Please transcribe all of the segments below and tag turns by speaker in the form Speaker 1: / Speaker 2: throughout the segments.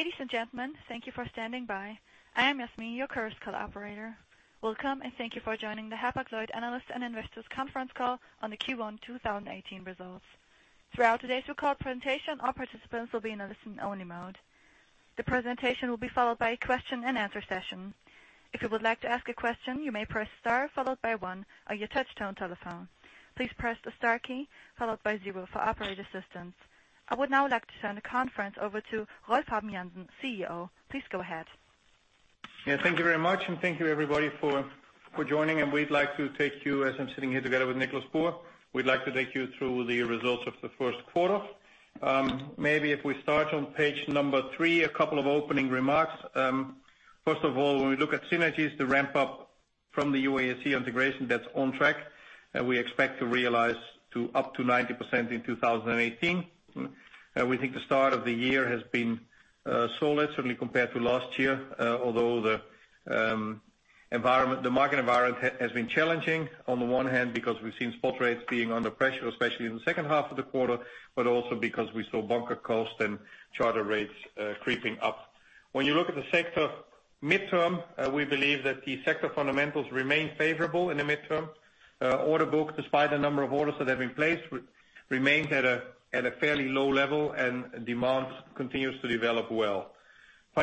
Speaker 1: Ladies and gentlemen, thank you for standing by. I am Yasmin, your Chorus Call operator. Welcome, and thank you for joining the Hapag-Lloyd analyst and investors conference call on the Q1 2018 results. Throughout today's recorded presentation, all participants will be in a listen-only mode. The presentation will be followed by a question-and-answer session. If you would like to ask a question, you may press star followed by one on your touch-tone telephone. Please press the star key followed by zero for operator assistance. I would now like to turn the conference over to Rolf Habben Jansen, CEO. Please go ahead.
Speaker 2: Yeah, thank you very much, and thank you everybody for joining, and we'd like to take you, as I'm sitting here together with Nicolás Burr, through the results of the first quarter. Maybe if we start on page 3, a couple of opening remarks. First of all, when we look at synergies, the ramp up from the UASC integration, that's on track, and we expect to realize up to 90% in 2018. We think the start of the year has been solid, certainly compared to last year, although the environment, the market environment has been challenging on the one hand, because we've seen spot rates being under pressure, especially in the second half of the quarter, but also because we saw bunker cost and charter rates creeping up. When you look at the sector midterm, we believe that the sector fundamentals remain favorable in the midterm. The order book, despite the number of orders that have been placed, remains at a fairly low level, and demand continues to develop well. The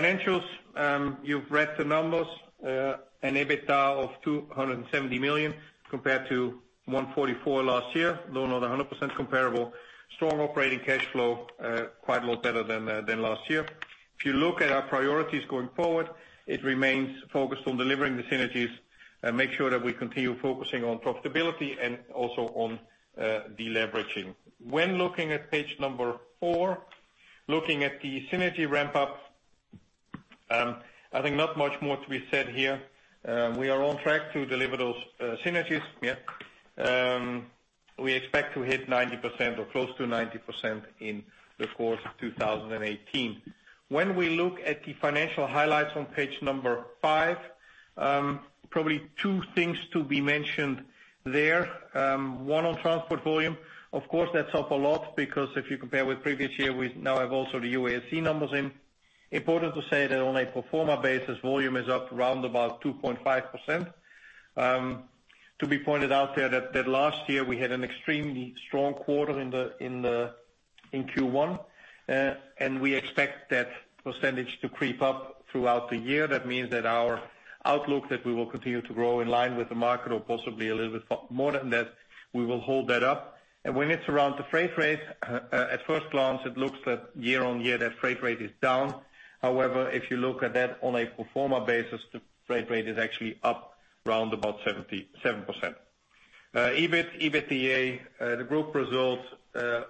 Speaker 2: financials, you've read the numbers, an EBITDA of 270 million compared to 144 million last year, though not 100% comparable. Strong operating cash flow, quite a lot better than last year. If you look at our priorities going forward, it remains focused on delivering the synergies and make sure that we continue focusing on profitability and also on deleveraging. When looking at page number 4, looking at the synergy ramp up, I think not much more to be said here. We are on track to deliver those synergies, yeah. We expect to hit 90% or close to 90% in the course of 2018. When we look at the financial highlights on page 5, probably two things to be mentioned there. One on transport volume. Of course, that's up a lot because if you compare with previous year, we now have also the UASC numbers in. Important to say that on a pro forma basis, volume is up around about 2.5%. To be pointed out there that last year we had an extremely strong quarter in Q1. We expect that percentage to creep up throughout the year. That means that our outlook that we will continue to grow in line with the market or possibly a little bit more than that, we will hold that up. When it's around the freight rate, at first glance, it looks that year-on-year that freight rate is down. However, if you look at that on a pro forma basis, the freight rate is actually up around about 77%. EBIT, EBITDA, the group results,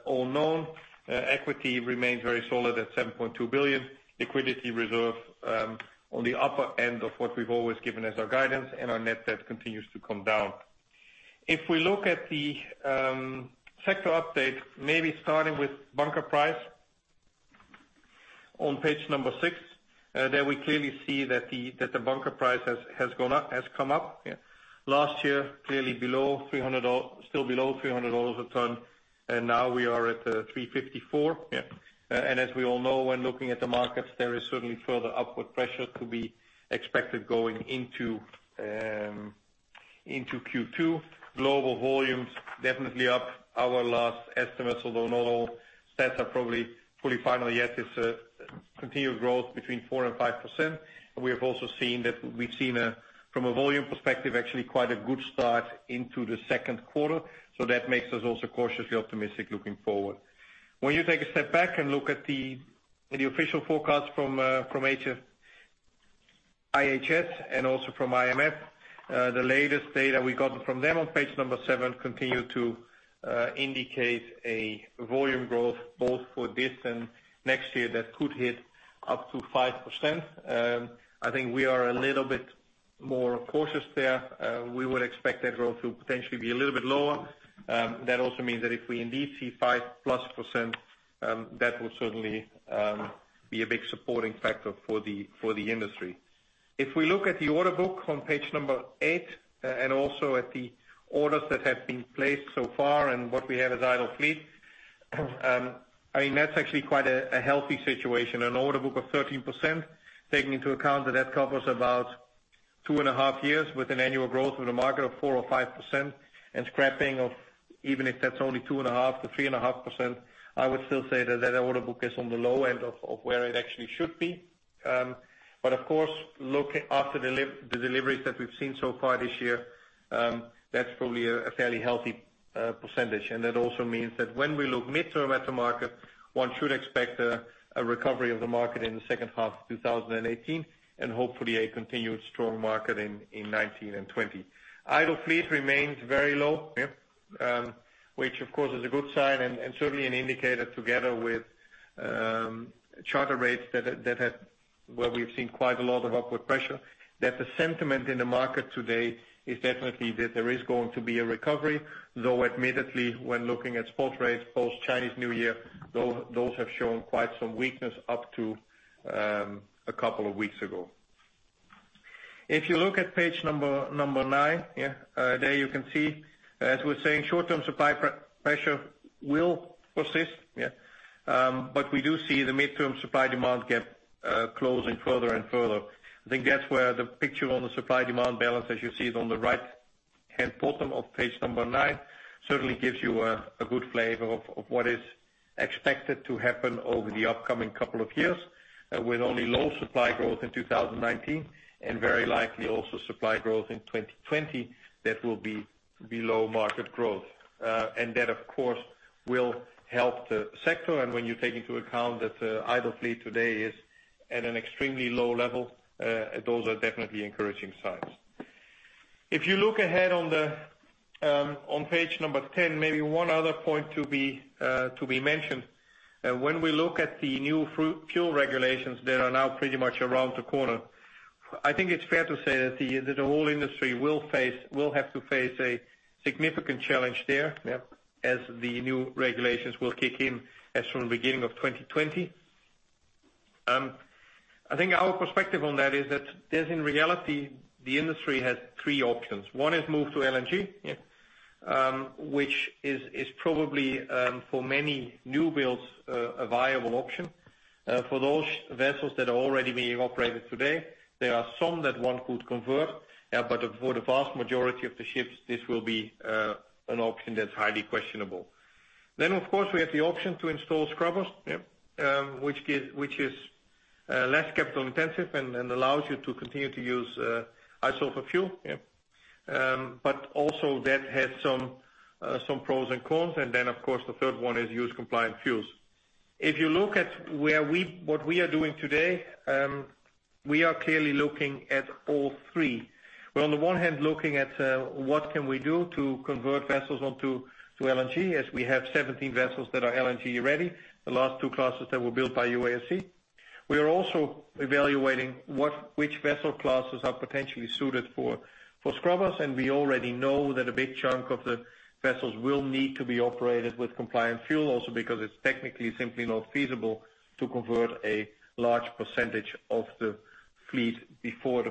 Speaker 2: all known. Equity remains very solid at 7.2 billion. Liquidity reserve on the upper end of what we've always given as our guidance, and our net debt continues to come down. If we look at the sector update, maybe starting with bunker price on page 6, there we clearly see that the bunker price has gone up. Last year, clearly below $300 a ton, and now we are at $354 a ton. As we all know, when looking at the markets, there is certainly further upward pressure to be expected going into Q2. Global volumes definitely up our last estimates, although not all stats are probably fully final yet. It's a continued growth between 4%-5%. We have also seen that from a volume perspective, actually quite a good start into the second quarter. That makes us also cautiously optimistic looking forward. When you take a step back and look at the official forecast from IHS and also from IMF, the latest data we gotten from them on page 7 continue to indicate a volume growth both for this and next year that could hit up to 5%. I think we are a little bit more cautious there. We would expect that growth to potentially be a little bit lower. That also means that if we indeed see 5%+, that will certainly be a big supporting factor for the industry. If we look at the order book on page 8, and also at the orders that have been placed so far and what we have as idle fleets, I mean, that's actually quite a healthy situation. An order book of 13%, taking into account that that covers about two and a half years with an annual growth of the market of 4% or 5% and scrapping of even if that's only 2.5%-3.5%, I would still say that that order book is on the low end of where it actually should be. Of course, look at after the deliveries that we've seen so far this year, that's probably a fairly healthy percentage. That also means that when we look midterm at the market, one should expect a recovery of the market in the second half of 2018, and hopefully a continued strong market in 2019 and 2020. Idle fleet remains very low, which of course is a good sign and certainly an indicator together with charter rates that have. where we've seen quite a lot of upward pressure, that the sentiment in the market today is definitely that there is going to be a recovery, though admittedly, when looking at spot rates, post Chinese New Year, those have shown quite some weakness up to a couple of weeks ago. If you look at page number 9, there you can see, as we're saying, short-term supply pressure will persist. We do see the midterm supply demand gap closing further and further. I think that's where the picture on the supply demand balance, as you see it on the right-hand bottom of page number 9, certainly gives you a good flavor of what is expected to happen over the upcoming couple of years. With only low supply growth in 2019, and very likely also supply growth in 2020, that will be below market growth. That, of course, will help the sector. When you take into account that the idle fleet today is at an extremely low level, those are definitely encouraging signs. If you look ahead on the, on page 10, maybe one other point to be mentioned. When we look at the new fuel regulations that are now pretty much around the corner, I think it's fair to say that the whole industry will have to face a significant challenge there, as the new regulations will kick in as from beginning of 2020. I think our perspective on that is that, in reality, the industry has three options. One is move to LNG, which is probably for many new builds a viable option. For those vessels that are already being operated today, there are some that one could convert. For the vast majority of the ships, this will be an option that's highly questionable. Of course, we have the option to install scrubbers, which is less capital intensive and allows you to continue to use sulfur fuel. That also has some pros and cons. Of course, the third one is use compliant fuels. If you look at what we are doing today, we are clearly looking at all three. We're on the one hand looking at what can we do to convert vessels onto LNG, as we have 17 vessels that are LNG-ready, the last 2 classes that were built by UASC. We are also evaluating which vessel classes are potentially suited for scrubbers. We already know that a big chunk of the vessels will need to be operated with compliant fuel also because it's technically simply not feasible to convert a large percentage of the fleet before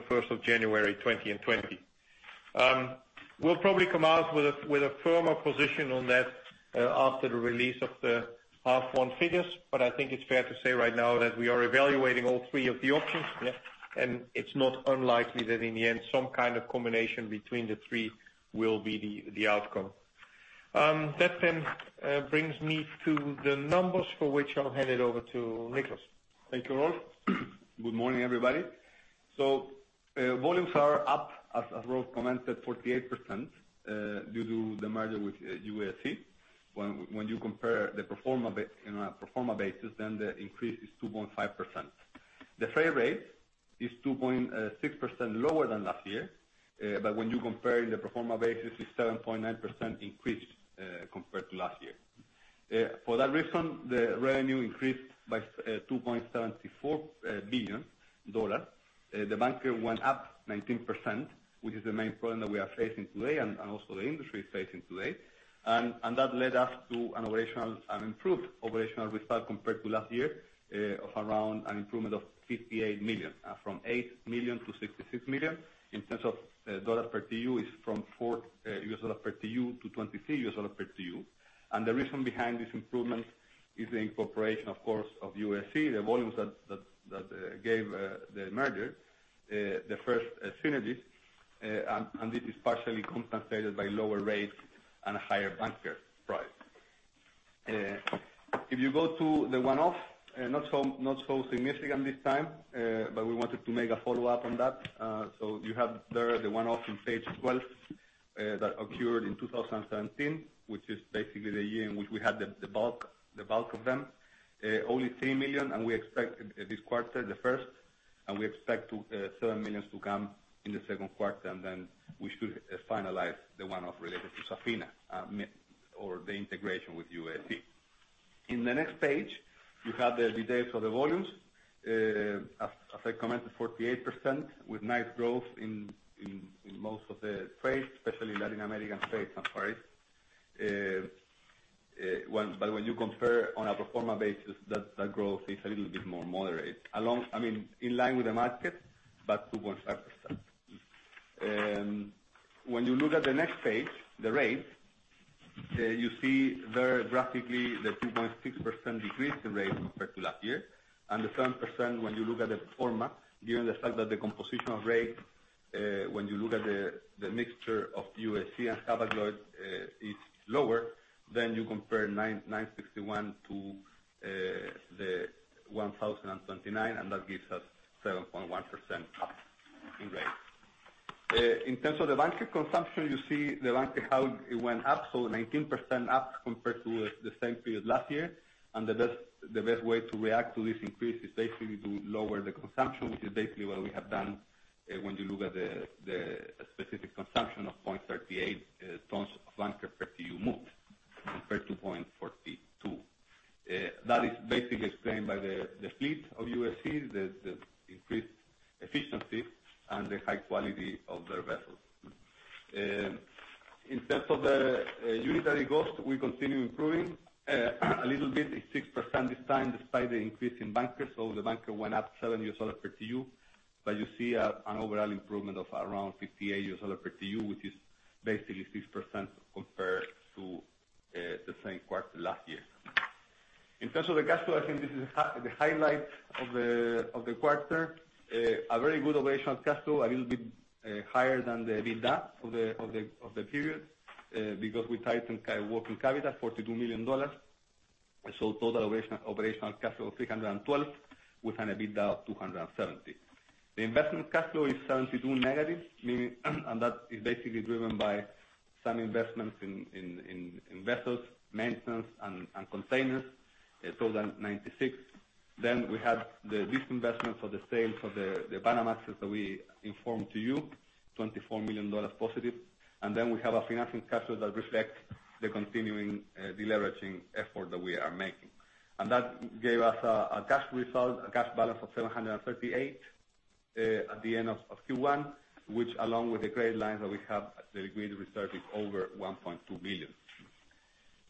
Speaker 2: January 1, 2020. We'll probably come out with a firmer position on that after the release of the half one figures, but I think it's fair to say right now that we are evaluating all three of the options. It's not unlikely that in the end, some kind of combination between the three will be the outcome. That brings me to the numbers for which I'll hand it over to Nicholas.
Speaker 3: Thank you, Rolf. Good morning, everybody. Volumes are up, as Rolf commented, 48%, due to the merger with UASC. When you compare in a pro forma basis, then the increase is 2.5%. The freight rate is 2.6% lower than last year. When you compare in the pro forma basis, it's 7.9% increase compared to last year. For that reason, the revenue increased by $2.74 billion. The bunker went up 19%, which is the main problem that we are facing today, and also the industry is facing today. That led us to an operational. An improved operational result compared to last year of around an improvement of 58 million from 8 million to 66 million. In terms of dollar per TEU is from $4 per TEU to $23 per TEU. The reason behind this improvement is the incorporation, of course, of UASC, the volumes that gave the merger the first synergies. This is partially compensated by lower rates and a higher bunker price. If you go to the one-off, not so significant this time, but we wanted to make a follow-up on that. You have there the one-off in page 12 that occurred in 2017, which is basically the year in which we had the bulk of them. Only 3 million, we expect this quarter, the first, we expect 27 million to come in the second quarter, then we should finalize the one-off related to UASC or the integration with UASC. On the next page, you have the details of the volumes. As I commented, 48% with nice growth in most of the trades, especially Latin American trades. I'm sorry. When you compare on a pro forma basis, that growth is a little bit more moderate. I mean, in line with the market, but 2.5%. When you look at the next page, the rate, you see very drastically the 2.6% decrease in rate compared to last year. The 7% when you look at the pro forma, given the fact that the composition of rate, when you look at the mixture of UASC and Hapag-Lloyd, is lower, then you compare 9,961 to the 1,029, and that gives us 7.1% up in rate. In terms of the bunker consumption, you see the bunker how it went up, so 19% up compared to the same period last year. The best way to react to this increase is basically to lower the consumption, which is basically what we have done, when you look at the specific consumption of 0.38 tons of bunker per TEU moved compared to 0.42. That is basically explained by the fleet of UASC, the increased efficiency and the high quality of their vessels. In terms of the unit cost, we continue improving a little bit, 6% this time, despite the increase in bunkers. The bunker went up $7 per TEU. You see an overall improvement of around $58 per TEU, which is basically 6% compared to the same quarter last year. In terms of the cash flow, I think this is the highlight of the quarter. A very good operational cash flow, a little bit higher than the EBITDA of the period, because we tightened working capital $42 million. Total operational cash flow $312 million, with an EBITDA of $270 million. The investment cash flow is -72 million, meaning and that is basically driven by some investments in vessels, maintenance and containers. 96. We had the disinvestment for the sale of the Panamax that we informed you, $24 million positive. We have a financing cash flow that reflects the continuing de-leveraging effort that we are making. That gave us a cash result, a cash balance of 738 million at the end of Q1, which along with the credit lines that we have, the liquidity reserve is over 1.2 billion.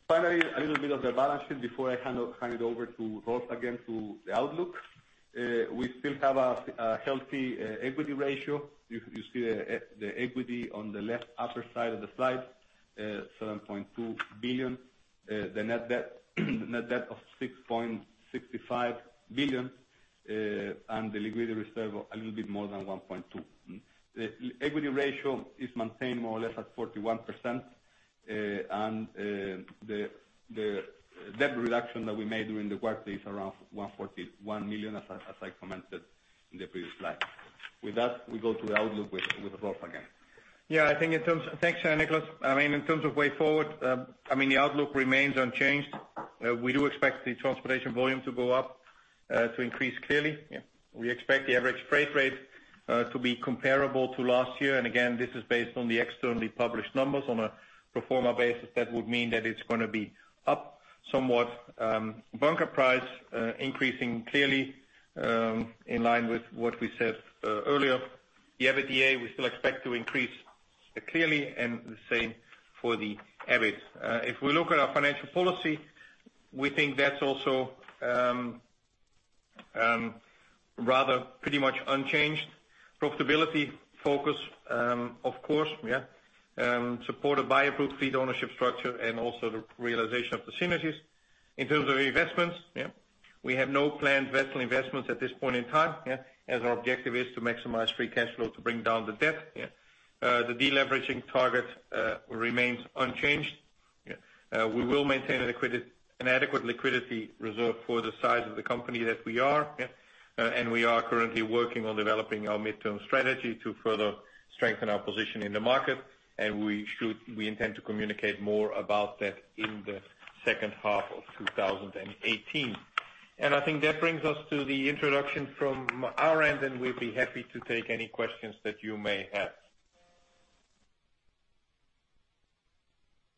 Speaker 3: Finally, a little bit of the balance sheet before I hand it over to Rolf again to the outlook. We still have a healthy equity ratio. You see the equity on the left upper side of the slide, 7.2 billion. The net debt of 6.65 billion. And the liquidity reserve a little bit more than 1.2 billion. The equity ratio is maintained more or less at 41%. And the debt reduction that we made during the quarter is around 141 million, as I commented in the previous slide. With that, we go to the outlook with Rolf again.
Speaker 2: Yeah, I think. Thanks, Nicholas. I mean, in terms of way forward, I mean, the outlook remains unchanged. We do expect the transportation volume to go up, to increase clearly.
Speaker 3: Yeah.
Speaker 2: We expect the average freight rate to be comparable to last year. Again, this is based on the externally published numbers on a pro forma basis. That would mean that it's gonna be up somewhat. Bunker price increasing clearly in line with what we said earlier. The EBITDA, we still expect to increase clearly, and the same for the EBIT. If we look at our financial policy, we think that's also rather pretty much unchanged, profitability focus, of course, yeah, supported by approved fleet ownership structure and also the realization of the synergies. In terms of investments, yeah, we have no planned vessel investments at this point in time, yeah, as our objective is to maximize free cash flow to bring down the debt, yeah. The de-leveraging target remains unchanged. Yeah. We will maintain an adequate liquidity reserve for the size of the company that we are. We are currently working on developing our midterm strategy to further strengthen our position in the market, and we intend to communicate more about that in the second half of 2018. I think that brings us to the introduction from our end, and we'll be happy to take any questions that you may have.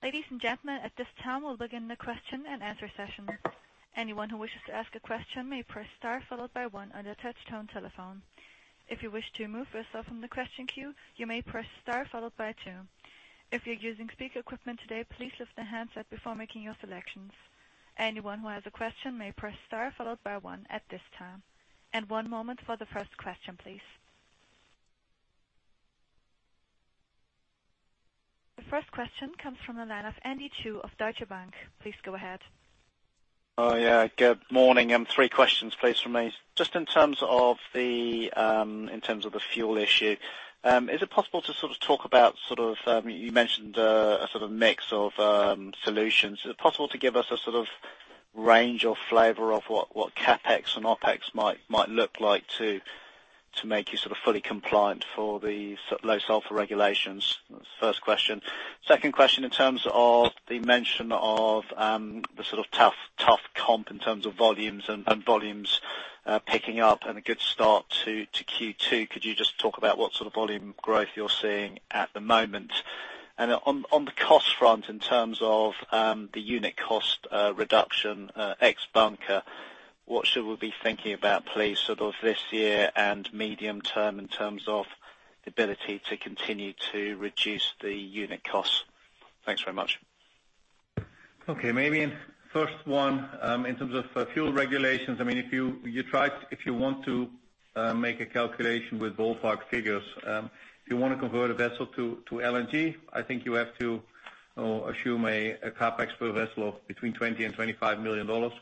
Speaker 1: Ladies and gentlemen, at this time, we'll begin the question and answer session. Anyone who wishes to ask a question may press star followed by one on your touch tone telephone. If you wish to remove yourself from the question queue, you may press star followed by two. If you're using speaker equipment today, please lift the handset before making your selections. Anyone who has a question may press star followed by one at this time. One moment for the first question, please. The first question comes from the line of Andy Chu of Deutsche Bank. Please go ahead.
Speaker 4: Oh, yeah. Good morning. Three questions, please, from me. Just in terms of the fuel issue, is it possible to sort of talk about sort of you mentioned a sort of mix of solutions. Is it possible to give us a sort of range or flavor of what CapEx and OpEx might look like to make you sort of fully compliant for the low sulfur regulations? First question. Second question, in terms of the mention of the sort of tough comp in terms of volumes and volumes picking up and a good start to Q2, could you just talk about what sort of volume growth you're seeing at the moment? On the cost front, in terms of the unit cost reduction ex bunker, what should we be thinking about, please, sort of this year and medium term in terms of the ability to continue to reduce the unit costs? Thanks very much.
Speaker 2: Okay. Maybe first one in terms of fuel regulations, I mean, if you want to make a calculation with ballpark figures, if you wanna convert a vessel to LNG, I think you have to assume a CapEx per vessel of between $20 million and $25 million.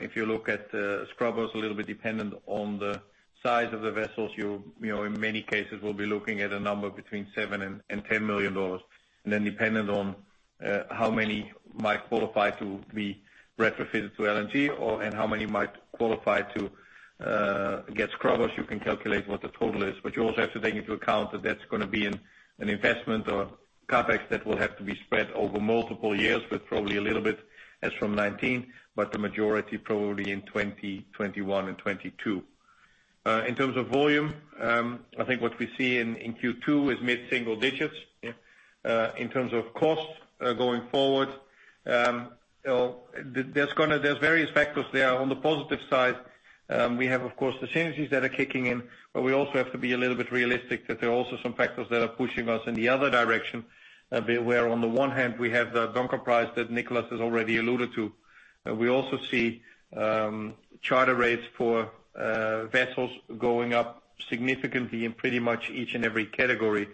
Speaker 2: If you look at scrubbers, a little bit dependent on the size of the vessels, you know, in many cases will be looking at a number between $7 million and $10 million. Dependent on how many might qualify to be retrofitted to LNG or and how many might qualify to get scrubbers, you can calculate what the total is. You also have to take into account that that's gonna be an investment or CapEx that will have to be spread over multiple years, but probably a little bit as from 2019, but the majority probably in 2020, 2021 and 2022. In terms of volume, I think what we see in Q2 is mid-single digits.
Speaker 4: Yeah.
Speaker 2: In terms of costs, going forward, there's various factors there. On the positive side, we have, of course, the synergies that are kicking in, but we also have to be a little bit realistic that there are also some factors that are pushing us in the other direction, where on the one hand we have the bunker price that Nicholas has already alluded to. We also see charter rates for vessels going up significantly in pretty much each and every category.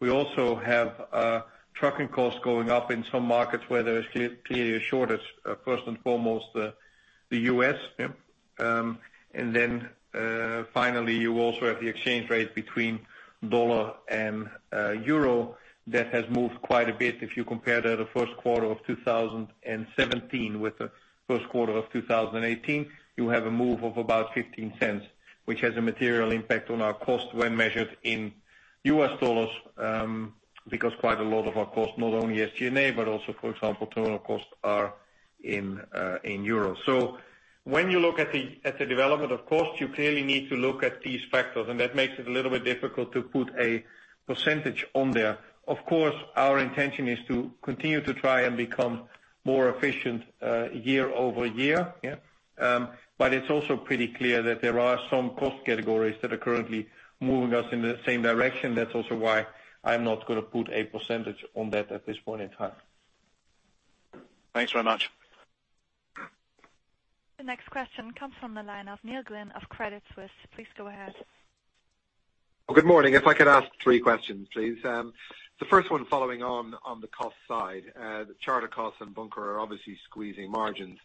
Speaker 2: We also have trucking costs going up in some markets where there is clearly a shortage, first and foremost, the U.S. Finally, you also have the exchange rate between the US dollar and the euro that has moved quite a bit. If you compare the first quarter of 2017 with the first quarter of 2018, you have a move of about 15 cents, which has a material impact on our cost when measured in US dollars, because quite a lot of our costs, not only SG&A, but also, for example, terminal costs, are in euros. When you look at the development of costs, you clearly need to look at these factors, and that makes it a little bit difficult to put a percentage on there. Of course, our intention is to continue to try and become more efficient year-over-year. It's also pretty clear that there are some cost categories that are currently moving us in the same direction. That's also why I'm not gonna put a percentage on that at this point in time.
Speaker 4: Thanks very much.
Speaker 1: The next question comes from the line of Neil Glynn of Credit Suisse. Please go ahead.
Speaker 5: Well, good morning. If I could ask three questions, please. The first one following on the cost side. The charter costs and bunker are obviously squeezing margins.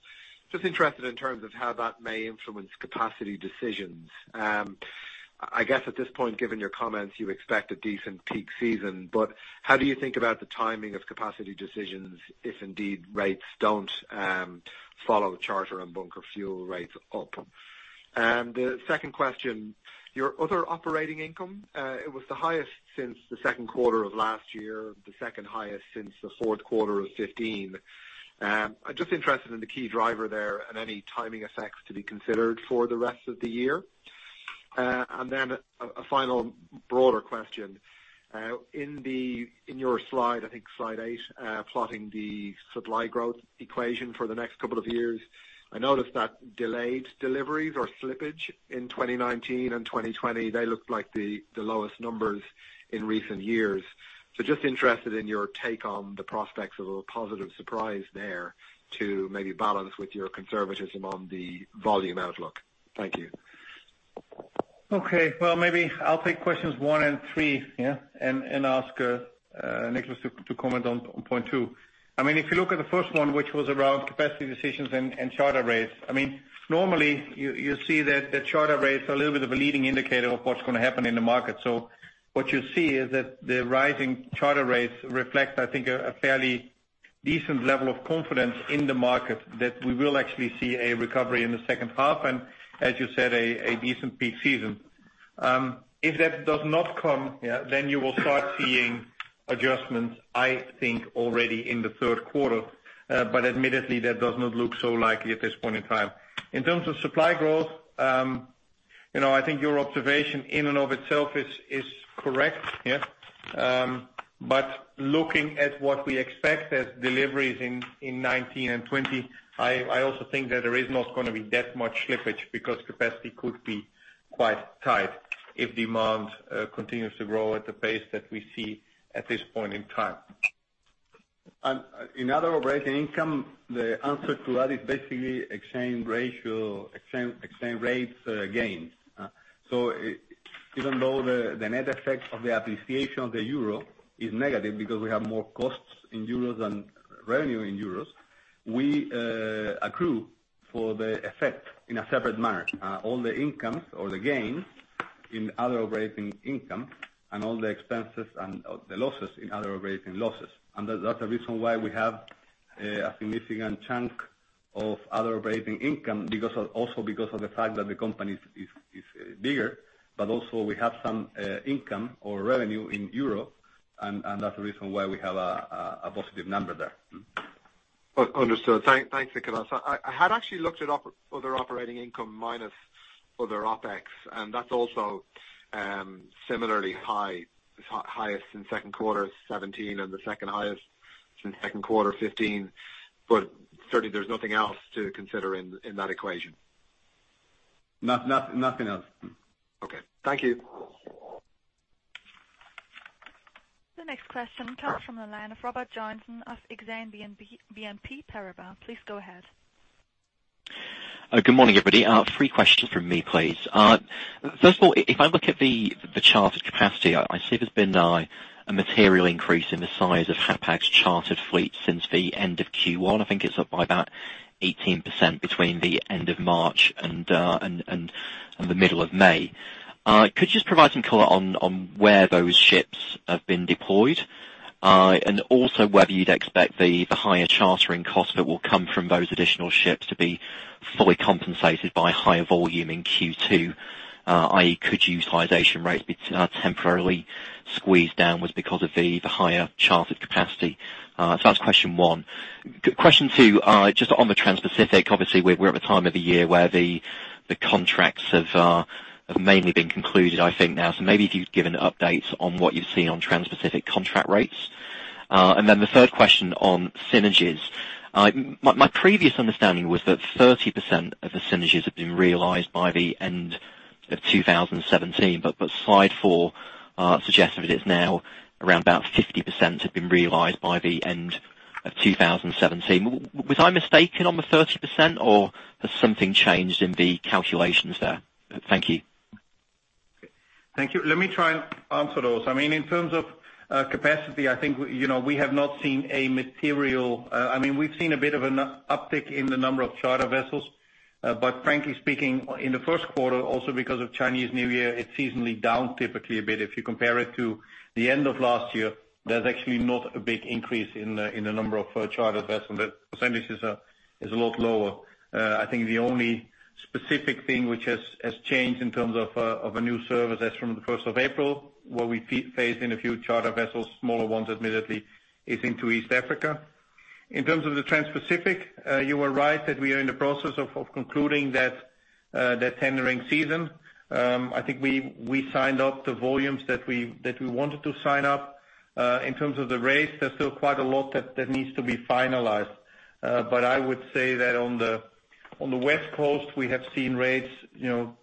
Speaker 5: Just interested in terms of how that may influence capacity decisions. I guess at this point, given your comments, you expect a decent peak season, but how do you think about the timing of capacity decisions if indeed rates don't follow charter and bunker fuel rates up? The second question, your other operating income, it was the highest since the second quarter of last year, the second highest since the fourth quarter of 2015. I'm just interested in the key driver there and any timing effects to be considered for the rest of the year. Then a final broader question. In your slide, I think slide 8, plotting the supply growth equation for the next couple of years, I noticed that delayed deliveries or slippage in 2019 and 2020, they looked like the lowest numbers in recent years. Just interested in your take on the prospects of a positive surprise there to maybe balance with your conservatism on the volume outlook. Thank you.
Speaker 2: Okay. Well, maybe I'll take questions 1 and 3, yeah, and ask Nicolás to comment on point 2. I mean, if you look at the first one, which was around capacity decisions and charter rates. I mean, normally you see that the charter rates are a little bit of a leading indicator of what's gonna happen in the market. So what you see is that the rising charter rates reflect, I think, a fairly decent level of confidence in the market that we will actually see a recovery in the second half, and as you said, a decent peak season. If that does not come, yeah, then you will start seeing adjustments, I think, already in the third quarter. Admittedly, that does not look so likely at this point in time. In terms of supply growth, you know, I think your observation in and of itself is correct, yeah. Looking at what we expect as deliveries in 2019 and 2020, I also think that there is not gonna be that much slippage because capacity could be quite tight if demand continues to grow at the pace that we see at this point in time.
Speaker 3: In other operating income, the answer to that is basically exchange rates gains. Even though the net effect of the appreciation of the euro is negative because we have more costs in euros than revenue in euros, we accrue for the effect in a separate manner. All the incomes or the gains in other operating income and all the expenses and the losses in other operating losses. That's the reason why we have a significant chunk of other operating income because of, also because of the fact that the company is bigger, but also we have some income or revenue in euro, and that's the reason why we have a positive number there.
Speaker 5: Understood. Thanks, Nicholas. I had actually looked at other operating income minus other OpEx, and that's also similarly high. It's highest in second quarter of 2017 and the second highest in second quarter of 2015. Certainly there's nothing else to consider in that equation.
Speaker 3: No, nothing else.
Speaker 5: Okay. Thank you.
Speaker 1: The next question comes from the line of Robert Joynson of Exane BNP Paribas. Please go ahead.
Speaker 6: Good morning, everybody. Three questions from me, please. First of all, if I look at the chartered capacity, I see there's been a material increase in the size of Hapag's chartered fleet since the end of Q1. I think it's up by about 18% between the end of March and the middle of May. Could you just provide some color on where those ships have been deployed? Also whether you'd expect the higher chartering cost that will come from those additional ships to be fully compensated by higher volume in Q2. I.e., could utilization rates be temporarily squeezed downwards because of the higher chartered capacity? That's question one. Question two, just on the transpacific, obviously we're at the time of the year where the contracts have mainly been concluded, I think, now. Maybe if you'd give an update on what you've seen on Transpacific contract rates. The third question on synergies. My previous understanding was that 30% of the synergies have been realized by the end of 2017, but slide four suggested it is now around about 50% have been realized by the end of 2017. Was I mistaken on the 30%, or has something changed in the calculations there? Thank you.
Speaker 2: Thank you. Let me try and answer those. I mean, in terms of capacity, I think, you know, we've seen a bit of an uptick in the number of charter vessels. But frankly speaking, in the first quarter, also because of Chinese New Year, it's seasonally down typically a bit. If you compare it to the end of last year, there's actually not a big increase in the number of charter vessels. The percentages are a lot lower. I think the only specific thing which has changed in terms of a new service as from the first of April, where we phased in a few charter vessels, smaller ones admittedly, is into East Africa. In terms of the Transpacific, you are right that we are in the process of concluding that tendering season. I think we signed up the volumes that we wanted to sign up. In terms of the rates, there's still quite a lot that needs to be finalized. I would say that on the West Coast, we have seen rates, you know,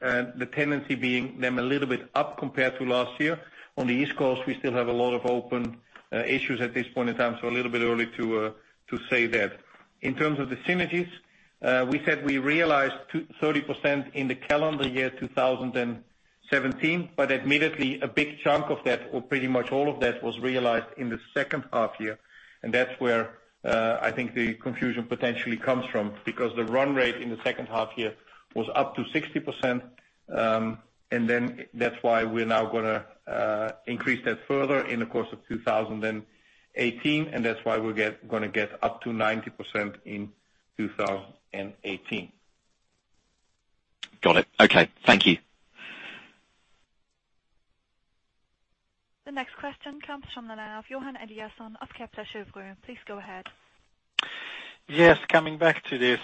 Speaker 2: the tendency being them a little bit up compared to last year. On the East Coast, we still have a lot of open issues at this point in time, so a little bit early to say that. In terms of the synergies, we said we realized 30% in the calendar year 2017, but admittedly, a big chunk of that, or pretty much all of that, was realized in the second half year, and that's where I think the confusion potentially comes from. Because the run rate in the second half year was up to 60%, and then that's why we're now gonna increase that further in the course of 2018, and that's why we're gonna get up to 90% in 2018.
Speaker 6: Got it. Okay, thank you.
Speaker 1: The next question comes from the line of Johan Eliason of Kepler Cheuvreux. Please go ahead.
Speaker 7: Yes, coming back to this,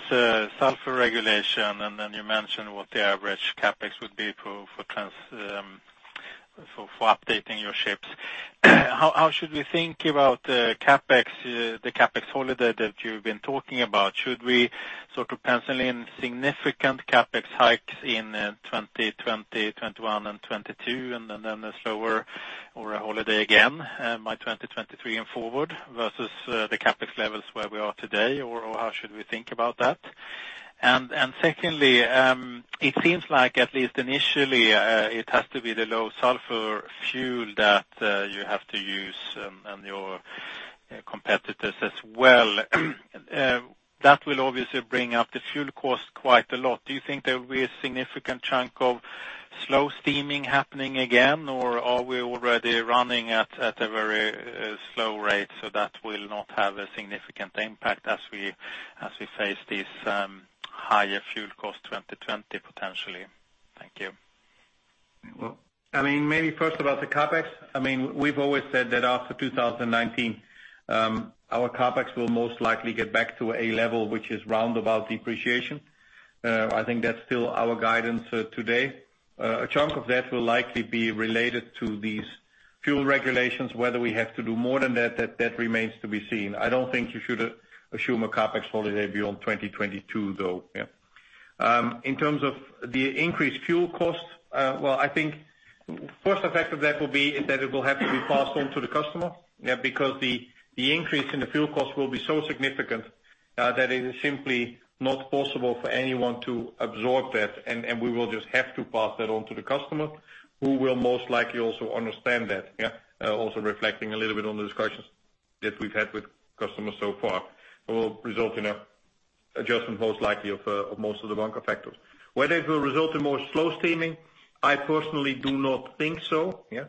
Speaker 7: sulfur regulation, and then you mentioned what the average CapEx would be for updating your ships. How should we think about CapEx, the CapEx holiday that you've been talking about? Should we sort of pencil in significant CapEx hikes in 2021 and 2022, and then a slower or a holiday again by 2023 and forward versus the CapEx levels where we are today, or how should we think about that? Secondly, it seems like, at least initially, it has to be the low sulfur fuel that you have to use, and your competitors as well. That will obviously bring up the fuel cost quite a lot. Do you think there will be a significant chunk of slow steaming happening again, or are we already running at a very slow rate, so that will not have a significant impact as we face these higher fuel costs, 2020, potentially? Thank you.
Speaker 2: Well, I mean, maybe first about the CapEx. I mean, we've always said that after 2019, our CapEx will most likely get back to a level which is round about depreciation. I think that's still our guidance today. A chunk of that will likely be related to these fuel regulations. Whether we have to do more than that remains to be seen. I don't think you should assume a CapEx holiday beyond 2022, though.
Speaker 7: Yeah.
Speaker 2: In terms of the increased fuel cost, well, I think first effect of that will be is that it will have to be passed on to the customer. Yeah, because the increase in the fuel cost will be so significant that it is simply not possible for anyone to absorb that. We will just have to pass that on to the customer, who will most likely also understand that. Yeah. Also reflecting a little bit on the discussions that we've had with customers so far, that will result in an adjustment most likely of most of the bunker factors. Whether it will result in more slow steaming, I personally do not think so.
Speaker 7: Yeah.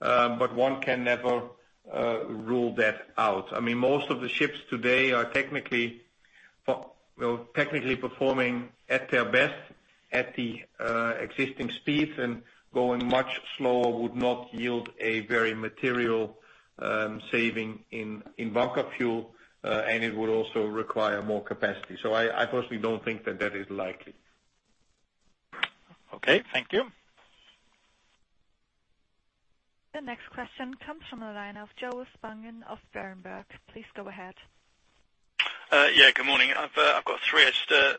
Speaker 7: One can never rule that out. I mean, most of the ships today are technically performing at their best at the existing speeds, and going much slower would not yield a very material saving in bunker fuel, and it would also require more capacity. I personally don't think that is likely. Okay, thank you.
Speaker 1: The next question comes from the line of Joel Spångberg of Berenberg. Please go ahead.
Speaker 8: Yeah. Good morning. I've got three. I just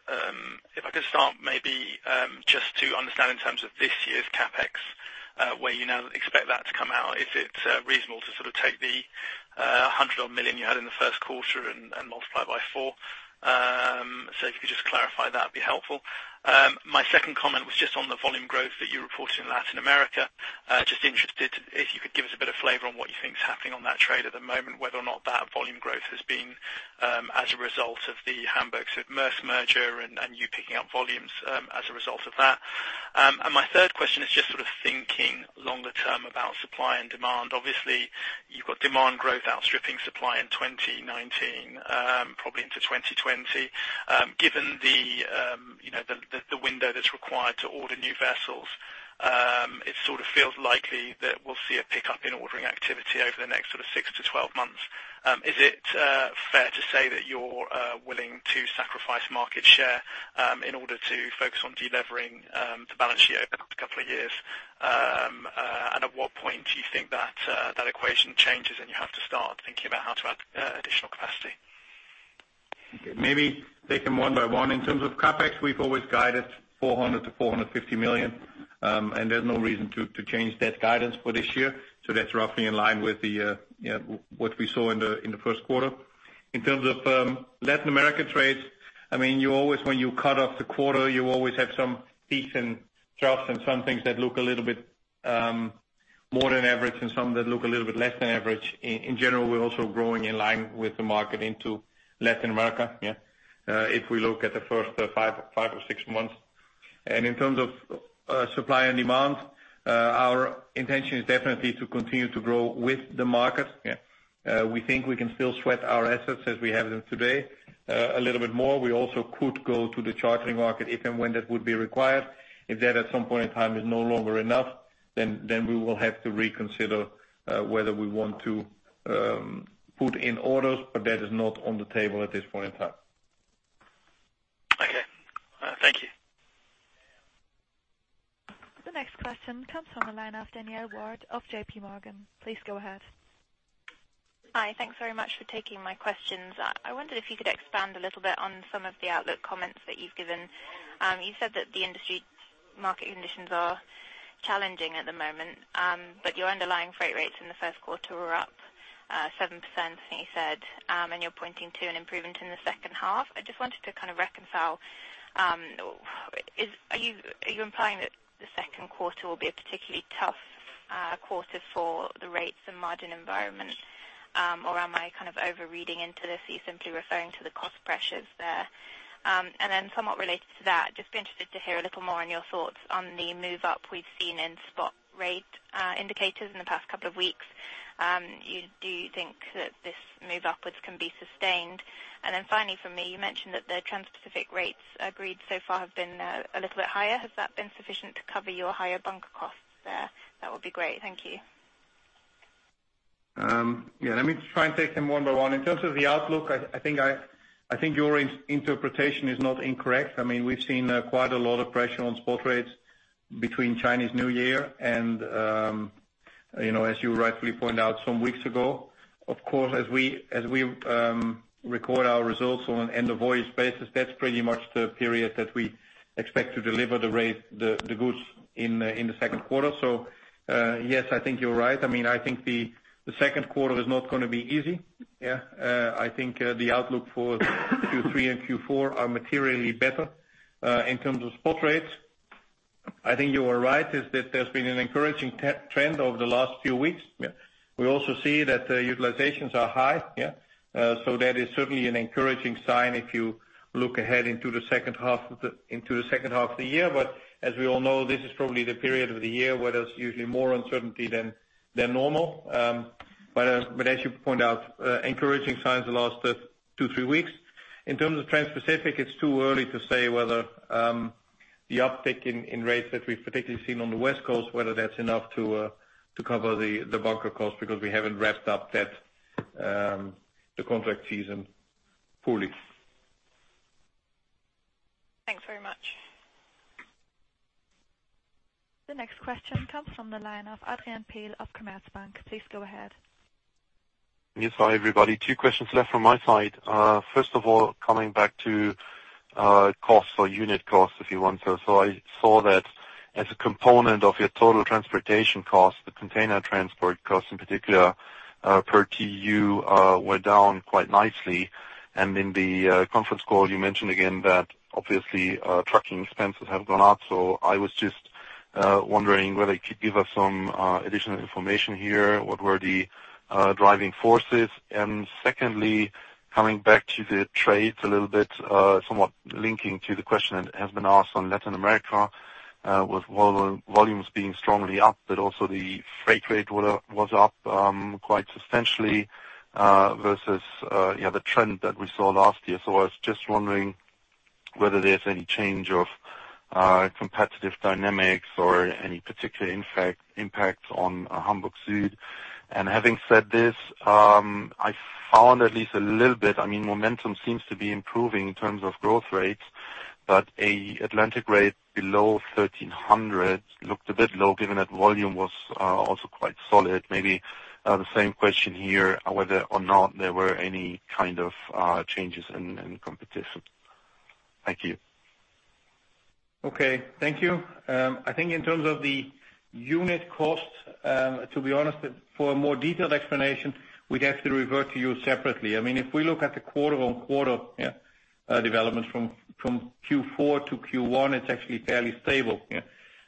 Speaker 8: if I could start maybe just to understand in terms of this year's CapEx, where you now expect that to come out, is it reasonable to sort of take the 100 odd million you had in the first quarter and multiply by 4? So if you could just clarify that, it'd be helpful. My second comment was just on the volume growth that you reported in Latin America. Just interested if you could give us a bit of flavor on what you think is happening on that trade at the moment, whether or not that volume growth has been as a result of the Hamburg Süd Maersk merger and you picking up volumes as a result of that. My third question is just sort of thinking longer term about supply and demand. Obviously, you've got demand growth outstripping supply in 2019, probably into 2020. Given the you know, the window that's required to order new vessels, it sort of feels likely that we'll see a pickup in ordering activity over the next sort of 6 to 12 months Is it fair to say that you're willing to sacrifice market share in order to focus on delivering the balance sheet over the couple of years? At what point do you think that equation changes, and you have to start thinking about how to add additional capacity?
Speaker 2: Maybe take them one by one. In terms of CapEx, we've always guided 400 million-450 million. There's no reason to change that guidance for this year. That's roughly in line with the, you know, what we saw in the first quarter. In terms of Latin America trades, I mean, you always, when you cut off the quarter, you always have some peaks and troughs and some things that look a little bit more than average and some that look a little bit less than average. In general, we're also growing in line with the market into Latin America, yeah, if we look at the first five or six months. In terms of supply and demand, our intention is definitely to continue to grow with the market. Yeah. We think we can still sweat our assets as we have them today, a little bit more. We also could go to the chartering market if and when that would be required. If that, at some point in time, is no longer enough, then we will have to reconsider whether we want to put in orders, but that is not on the table at this point in time.
Speaker 8: Okay. Thank you.
Speaker 1: The next question comes from the line of Alexia Dogani of J.P. Morgan. Please go ahead.
Speaker 9: Hi. Thanks very much for taking my questions. I wondered if you could expand a little bit on some of the outlook comments that you've given. You said that the industry market conditions are challenging at the moment, but your underlying freight rates in the first quarter were up 7%, you said, and you're pointing to an improvement in the second half. I just wanted to kinda reconcile. Are you implying that the second quarter will be a particularly tough quarter for the rates and margin environment? Or am I kind of overreading into this? Are you simply referring to the cost pressures there? And then somewhat related to that, just be interested to hear a little more on your thoughts on the move up we've seen in spot rate indicators in the past couple of weeks. Do you think that this move upwards can be sustained? Finally from me, you mentioned that the Transpacific rates agreed so far have been a little bit higher. Has that been sufficient to cover your higher bunker costs there? That would be great. Thank you.
Speaker 2: Yeah. Let me try and take them one by one. In terms of the outlook, I think your interpretation is not incorrect. I mean, we've seen quite a lot of pressure on spot rates between Chinese New Year and you know, as you rightly pointed out some weeks ago. Of course, as we record our results on an end-of-voyage basis, that's pretty much the period that we expect to deliver the rate, the goods in the second quarter. Yes, I think you're right. I mean, I think the second quarter is not gonna be easy. Yeah. I think the outlook for Q3 and Q4 are materially better. In terms of spot rates, I think you are right, is that there's been an encouraging trend over the last few weeks.
Speaker 3: Yeah. We also see that utilizations are high. That is certainly an encouraging sign if you look ahead into the second half of the year. As we all know, this is probably the period of the year where there's usually more uncertainty than normal. As you point out, encouraging signs the last two, three weeks. In terms of Transpacific, it's too early to say whether the uptick in rates that we've particularly seen on the West Coast, whether that's enough to cover the bunker cost, because we haven't wrapped up the contract season fully.
Speaker 9: Thanks very much.
Speaker 1: The next question comes from the line of Adrian Pehl of Commerzbank. Please go ahead.
Speaker 10: Yes. Hi, everybody. Two questions left from my side. First of all, coming back to costs or unit costs, if you want. So I saw that as a component of your total transportation costs, the container transport costs in particular per TEU were down quite nicely. In the conference call, you mentioned again that obviously trucking expenses have gone up. So I was just wondering whether you could give us some additional information here. What were the driving forces? Secondly, coming back to the trades a little bit, somewhat linking to the question that has been asked on Latin America, with volumes being strongly up, but also the freight rate was up quite substantially versus you know the trend that we saw last year. I was just wondering whether there's any change of competitive dynamics or any particular impacts on Hapag-Lloyd. Having said this, I found at least a little bit, I mean, momentum seems to be improving in terms of growth rates, but Transatlantic rate below $1,300 looked a bit low given that volume was also quite solid. Maybe the same question here, whether or not there were any kind of changes in competition. Thank you.
Speaker 2: Okay. Thank you. I think in terms of the unit cost, to be honest, for a more detailed explanation, we'd have to revert to you separately. I mean, if we look at the quarter-on-quarter developments from Q4 to Q1, it's actually fairly stable.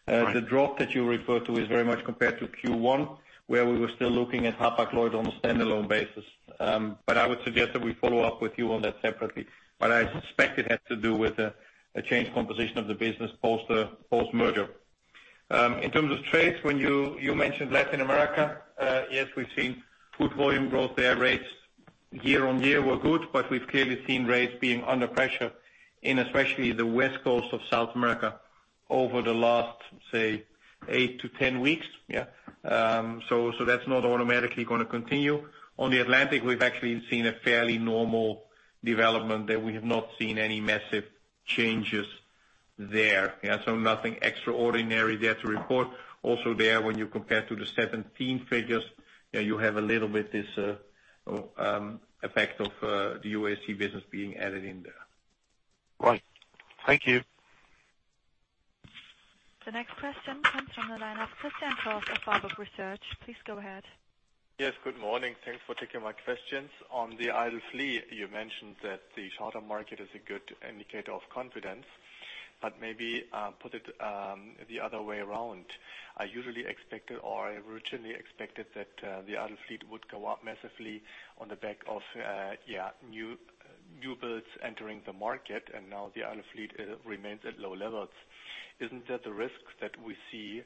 Speaker 10: Right.
Speaker 2: The drop that you refer to is very much compared to Q1, where we were still looking at Hapag-Lloyd on a standalone basis. I would suggest that we follow up with you on that separately. I suspect it has to do with a change in composition of the business post-merger. In terms of trades, when you mentioned Latin America, yes, we've seen good volume growth there. Rates year-on-year were good, but we've clearly seen rates being under pressure in especially the West Coast of South America over the last, say, 8-10 weeks. So that's not automatically gonna continue. On the Atlantic, we've actually seen a fairly normal development that we have not seen any massive changes there. So nothing extraordinary there to report. Also there, when you compare to the 2017 figures, yeah, you have a little bit this effect of the UASC business being added in there.
Speaker 10: Right. Thank you.
Speaker 1: The next question comes from the line of Christian Kohl of Warburg Research. Please go ahead.
Speaker 11: Yes, good morning. Thanks for taking my questions. On the idle fleet, you mentioned that the charter market is a good indicator of confidence, but maybe put it the other way around. I usually expected, or I originally expected that the idle fleet would go up massively on the back of new builds entering the market, and now the idle fleet remains at low levels. Isn't that a risk that we see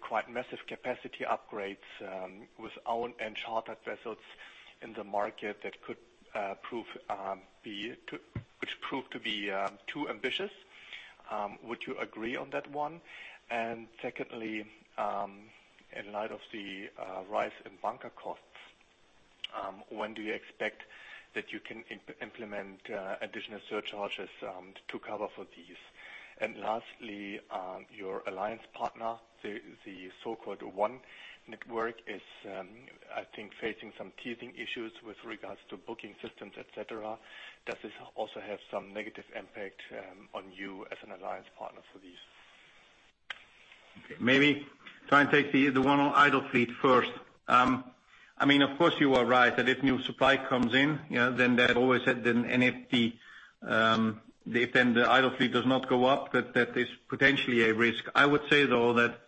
Speaker 11: quite massive capacity upgrades with owned and chartered vessels in the market that could prove to be too ambitious? Would you agree on that one? Secondly, in light of the rise in bunker costs, when do you expect that you can implement additional surcharges to cover for these? Lastly, your alliance partner, the so-called ONE Network is, I think, facing some teething issues with regards to booking systems, et cetera. Does this also have some negative impact on you as an alliance partner for these?
Speaker 2: Okay. Maybe try and take the one on idle fleet first. I mean, of course you are right that if new supply comes in, then that always has an impact if the idle fleet does not go up, that is potentially a risk. I would say, though, that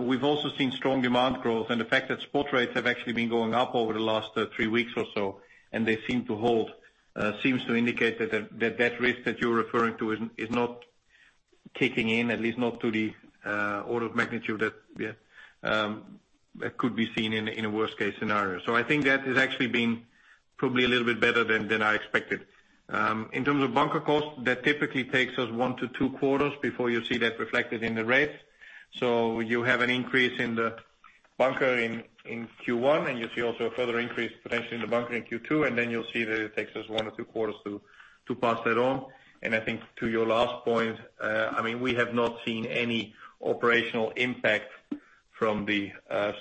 Speaker 2: we've also seen strong demand growth and the fact that spot rates have actually been going up over the last three weeks or so, and they seem to hold, seems to indicate that the risk that you're referring to is not kicking in, at least not to the order of magnitude that could be seen in a worst-case scenario. I think that has actually been probably a little bit better than I expected. In terms of bunker costs, that typically takes us 1-2 quarters before you see that reflected in the rates. You have an increase in the bunker in Q1, and you see also a further increase potentially in the bunker in Q2, and then you'll see that it takes us 1-2 quarters to pass that on. I think to your last point, I mean, we have not seen any operational impact from the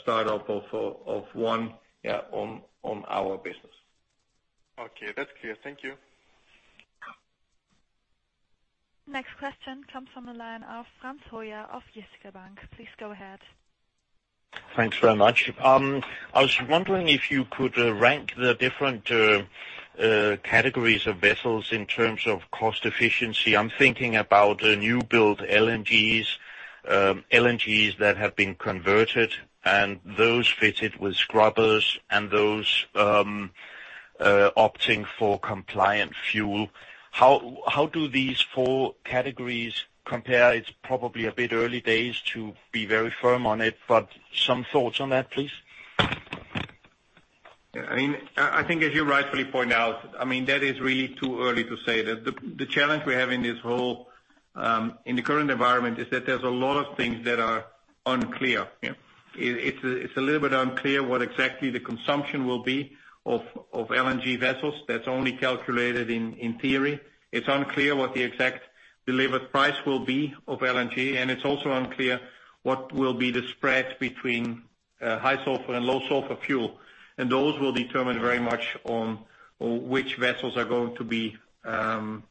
Speaker 2: startup of ONE, yeah, on our business.
Speaker 11: Okay. That's clear. Thank you.
Speaker 1: Next question comes from the line of Frans Høyer of Jyske Bank. Please go ahead.
Speaker 12: Thanks very much. I was wondering if you could rank the different categories of vessels in terms of cost efficiency. I'm thinking about new build LNGs that have been converted, and those fitted with scrubbers, and those opting for compliant fuel. How do these four categories compare? It's probably a bit early days to be very firm on it, but some thoughts on that, please.
Speaker 2: Yeah. I mean, I think as you rightfully point out, I mean, that is really too early to say. The challenge we have in this whole, in the current environment is that there's a lot of things that are unclear. Yeah. It's a little bit unclear what exactly the consumption will be of LNG vessels. That's only calculated in theory. It's unclear what the exact delivered price will be of LNG, and it's also unclear what will be the spread between high sulfur and low sulfur fuel. Those will determine very much on which vessels are going to be, you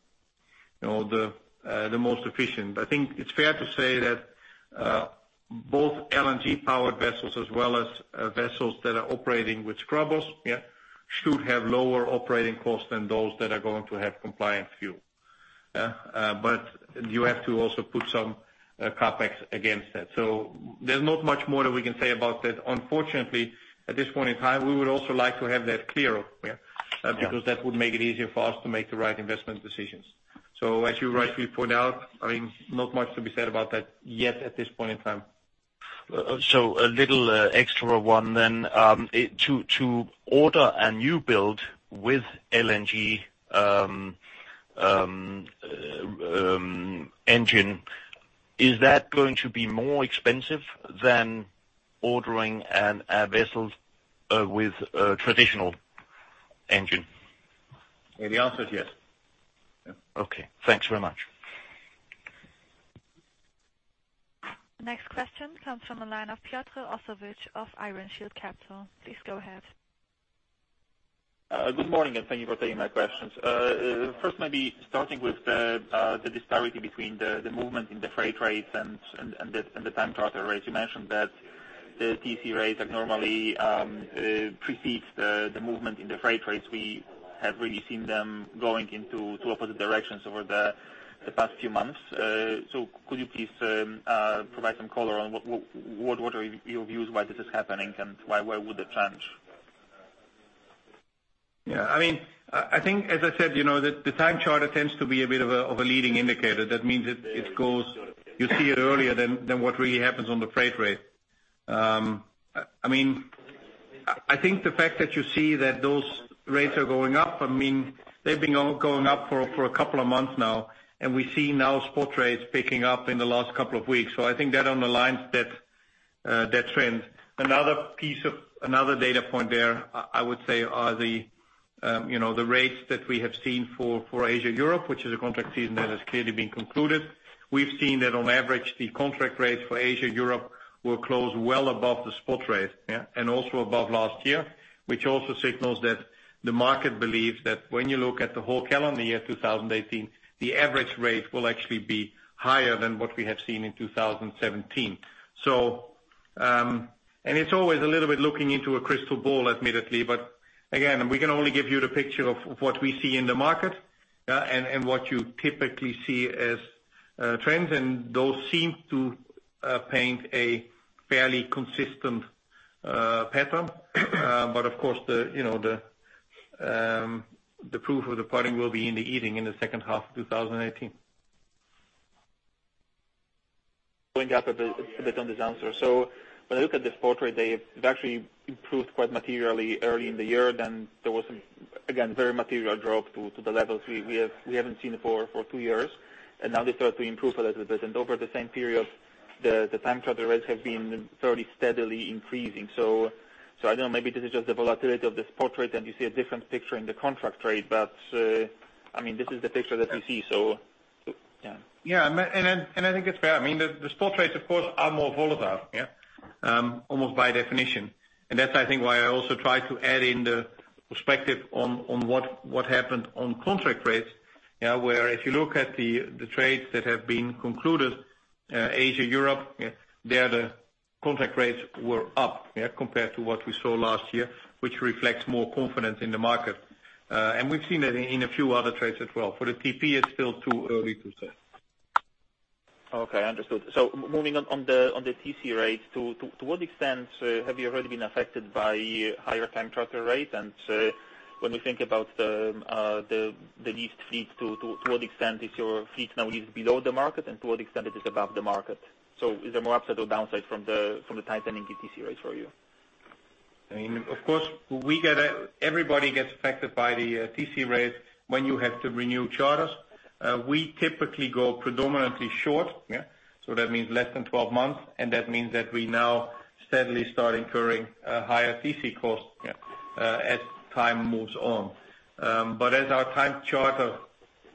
Speaker 2: know, the most efficient. I think it's fair to say that both LNG powered vessels as well as vessels that are operating with scrubbers should have lower operating costs than those that are going to have compliant fuel. You have to also put some CapEx against that. There's not much more that we can say about that. Unfortunately, at this point in time, we would also like to have that cleared up. Because that would make it easier for us to make the right investment decisions. As you rightly point out, I mean, not much to be said about that yet at this point in time.
Speaker 12: A little extra one then. To order a new build with LNG engine, is that going to be more expensive than ordering a vessel with a traditional engine?
Speaker 2: The answer is yes.
Speaker 3: Yeah.
Speaker 12: Okay. Thanks very much.
Speaker 1: Next question comes from the line of Piotr Ossowicz of Ironshield Capital. Please go ahead.
Speaker 13: Good morning, and thank you for taking my questions. First maybe starting with the disparity between the movement in the freight rates and the time charter rates. You mentioned that the TC rates that normally precedes the movement in the freight rates. We have really seen them going into two opposite directions over the past few months. Could you please provide some color on what are your views why this is happening and why would that change?
Speaker 2: Yeah. I mean, I think as I said, you know, the time charter tends to be a bit of a leading indicator. That means it goes, you see it earlier than what really happens on the freight rate. I mean, I think the fact that you see that those rates are going up, I mean, they've been going up for a couple of months now, and we see now spot rates picking up in the last couple of weeks. So I think that underlines that trend. Another data point there, I would say, are the rates that we have seen for Asia/Europe, which is a contract season that has clearly been concluded. We've seen that on average, the contract rates for Asia/Europe will close well above the spot rate, and also above last year, which also signals that the market believes that when you look at the whole calendar year, 2018, the average rate will actually be higher than what we have seen in 2017. It's always a little bit looking into a crystal ball, admittedly. Again, we can only give you the picture of what we see in the market, and what you typically see as trends. Those seem to paint a fairly consistent pattern. Of course, you know, the proof of the pudding will be in the eating in the second half of 2018.
Speaker 13: Going up a bit on this answer. When I look at the spot rate, it actually improved quite materially early in the year. There was some, again, very material drop to the levels we haven't seen for two years. Now they start to improve a little bit. Over the same period, the time charter rates have been fairly steadily increasing. I don't know, maybe this is just the volatility of the spot rate, and you see a different picture in the contract rate. I mean, this is the picture that we see.
Speaker 2: Yeah. I think it's fair. I mean, the spot rates of course are more volatile, yeah, almost by definition. That's, I think, why I also try to add in the perspective on what happened on contract rates. Yeah. Where if you look at the trades that have been concluded, Asia/Europe, yeah, there the contract rates were up, yeah, compared to what we saw last year, which reflects more confidence in the market. We've seen that in a few other trades as well. For the TP, it's still too early to say.
Speaker 13: Okay, understood. Moving on the TC rates, to what extent have you already been affected by higher time charter rate? And when we think about the leased fleet, to what extent is your fleet now below the market and to what extent it is above the market? Is there more upside or downside from the tightening TC rates for you?
Speaker 2: I mean, of course, everybody gets affected by the TC rates when you have to renew charters. We typically go predominantly short, yeah. That means less than 12 months, and that means that we now steadily start incurring higher TC costs, yeah, as time moves on. As our time charter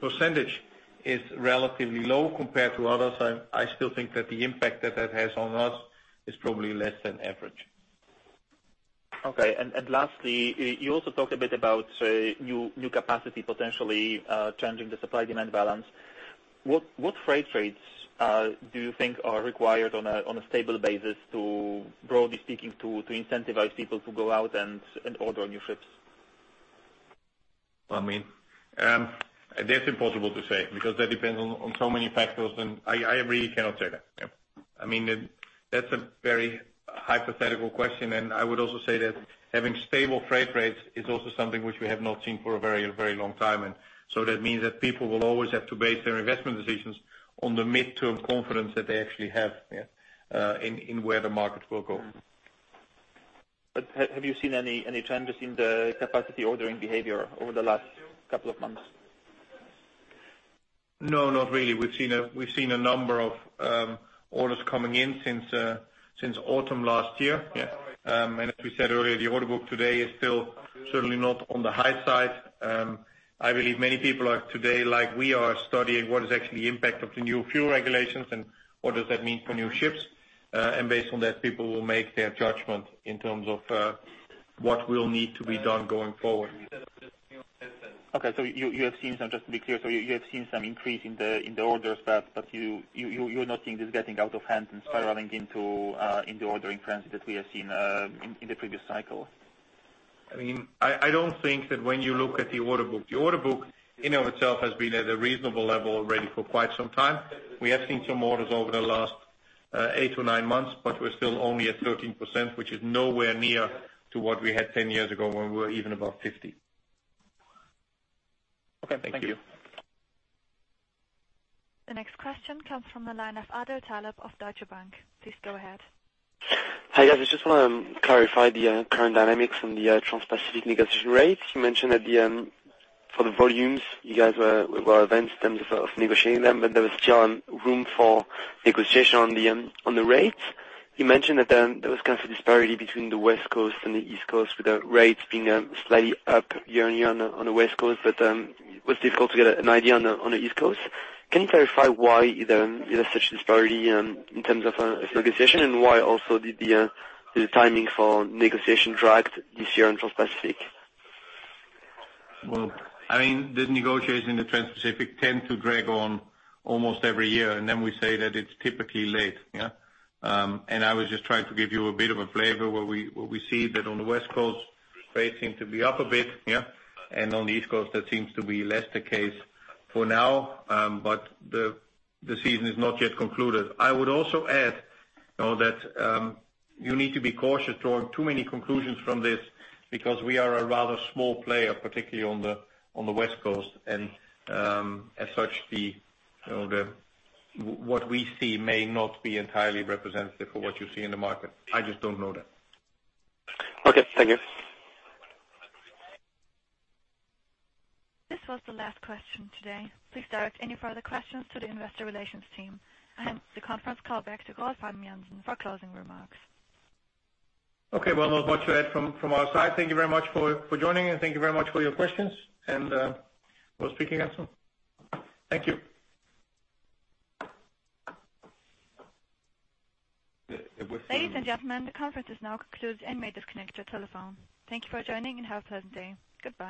Speaker 2: percentage is relatively low compared to others, I still think that the impact that that has on us is probably less than average.
Speaker 13: Okay. Lastly, you also talked a bit about new capacity potentially changing the supply demand balance. What freight rates do you think are required on a stable basis, broadly speaking, to incentivize people to go out and order new ships?
Speaker 2: I mean, that's impossible to say because that depends on so many factors, and I really cannot say that. Yeah. I mean, that's a very hypothetical question. I would also say that having stable freight rates is also something which we have not seen for a very, very long time. That means that people will always have to base their investment decisions on the midterm confidence that they actually have, yeah, in where the market will go.
Speaker 13: Have you seen any changes in the capacity ordering behavior over the last couple of months?
Speaker 2: No, not really. We've seen a number of orders coming in since autumn last year. Yeah. As we said earlier, the order book today is still certainly not on the high side. I believe many people are today, like we are, studying what the actual impact of the new fuel regulations is and what does that mean for new ships. Based on that, people will make their judgment in terms of what will need to be done going forward.
Speaker 13: Okay. Just to be clear, you have seen some increase in the orders, but you're not seeing this getting out of hand and spiraling into the ordering trends that we have seen in the previous cycle.
Speaker 2: I mean, I don't think that when you look at the order book. The order book in and of itself has been at a reasonable level already for quite some time. We have seen some orders over the last 8-9 months, but we're still only at 13%, which is nowhere near to what we had 10 years ago when we were even above 50.
Speaker 13: Okay. Thank you.
Speaker 2: Thank you.
Speaker 1: The next question comes from the line of Adil Taleb of Deutsche Bank. Please go ahead.
Speaker 14: Hi, guys. I just wanna clarify the current dynamics on the transpacific negotiation rates. You mentioned at the end for the volumes you guys were advanced in terms of negotiating them, but there was still room for negotiation on the rates. You mentioned that there was kind of a disparity between the West Coast and the East Coast, with the rates being slightly up year-on-year on the West Coast, but it was difficult to get an idea on the East Coast. Can you clarify why there is such disparity in terms of negotiation and why also did the timing for negotiation dragged this year on Transpacific?
Speaker 2: Well, I mean, the negotiations in the Transpacific tend to drag on almost every year, and then we say that it's typically late. I was just trying to give you a bit of a flavor where we see that on the West Coast rates seem to be up a bit. On the East Coast, that seems to be less the case for now. The season is not yet concluded. I would also add, you know, that you need to be cautious drawing too many conclusions from this because we are a rather small player, particularly on the West Coast. As such, you know, what we see may not be entirely representative of what you see in the market. I just don't know that.
Speaker 14: Okay. Thank you.
Speaker 1: This was the last question today. Please direct any further questions to the investor relations team. I hand the conference call back to Rolf Habben Jansen for closing remarks.
Speaker 2: Okay. Well, not much to add from our side. Thank you very much for joining and thank you very much for your questions and we'll speak again soon. Thank you.
Speaker 1: Ladies and gentlemen, the conference is now concluded. You may disconnect your telephone. Thank you for joining, and have a pleasant day. Goodbye.